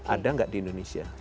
ada nggak di indonesia